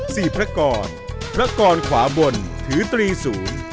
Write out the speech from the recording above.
สี่พระกรพระกรขวาบนถือตรีศูนย์